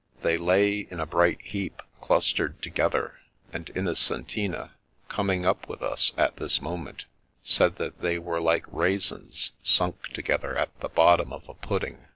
They lay in a bright heap, clustered together; and Innocentina, coming up with us at this moment, said that they were like raisins sunk together at the bottom of a pudding.